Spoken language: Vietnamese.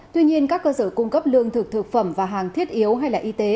tuy nhiên các cơ sở cung cấp lương thực thực phẩm và hàng thiết yếu hay y tế